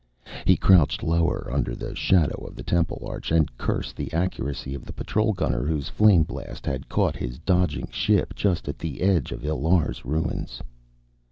He crouched lower under the shadow of the temple arch and cursed the accuracy of the Patrol gunner whose flame blast had caught his dodging ship just at the edge of Illar's ruins.